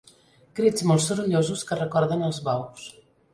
Crits molt sorollosos que recorden els bous.